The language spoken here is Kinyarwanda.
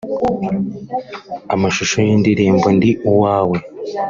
amashusho y’indirimbo ‘Ndi Uwawe’